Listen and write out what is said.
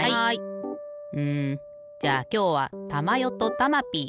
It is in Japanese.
うんじゃあきょうはたまよとたまピー。